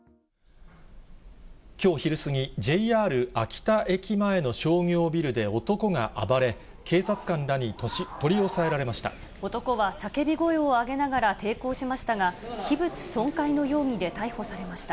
きょう昼過ぎ、ＪＲ秋田駅前の商業ビルで男が暴れ、男は叫び声を上げながら抵抗しましたが、器物損壊の容疑で逮捕されました。